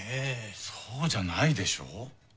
そうじゃないでしょう。